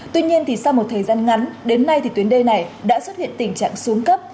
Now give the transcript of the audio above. tuy nhiên sau một thời gian ngắn đến nay thì tuyến đê này đã xuất hiện tình trạng xuống cấp